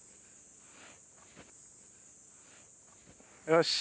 よし。